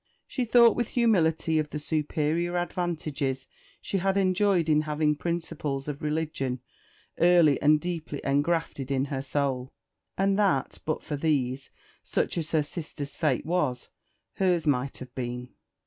She thought with humility of the superior advantages she had enjoyed in having principles of religion early and deeply engrafted in her soul; and that, but for these, such as her sister's fate was, hers might have been.